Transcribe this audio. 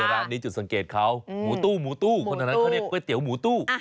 อ่ะร้านนี้จุดสังเกตเขาอืมหมูตู้หมูตู้หมูตู้ก๋วยเตี๋ยวหมูตู้อ่ะ